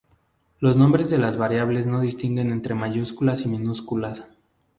Los nombres de las variables no distinguen entre mayúsculas y minúsculas.